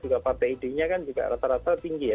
juga partai ide nya kan juga rata rata tinggi ya